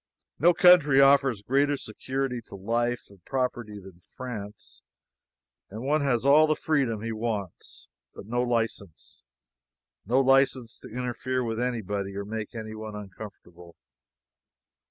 No country offers greater security to life and property than France, and one has all the freedom he wants, but no license no license to interfere with anybody or make anyone uncomfortable.